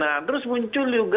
nah terus muncul juga